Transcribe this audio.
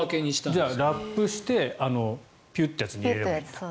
じゃあ、ラップしてピュッてやつに入れれば。